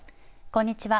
こんにちは。